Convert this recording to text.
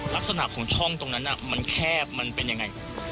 ลักษณะของช่องตรงนั้นมันแคบมันเป็นยังไง